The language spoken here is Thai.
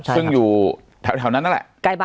ซึ่งอยู่แถวนั้นนั่นแหละ